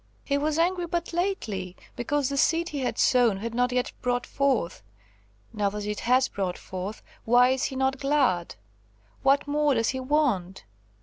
He was angry but lately, because the seed he had sown had not yet brought forth; now that it has brought forth, why is he not glad? What more does he want?